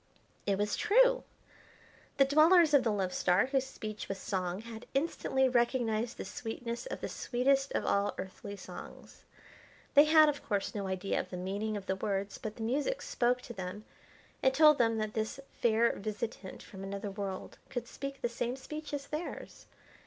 It was true! The dwellers of the Love Star, whose speech was song, had instantly recognised the sweetness of the sweetest of all earthly songs. They had, of course, no idea of the meaning of the words; but the music spoke to them and told them that this fair visitant from another world could speak the same speech as theirs.